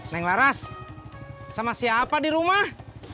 naik laras sama siapa di rumah